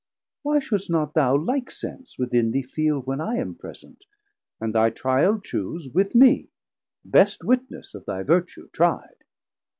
Why shouldst not thou like sense within thee feel When I am present, and thy trial choose With me, best witness of thy Vertue tri'd.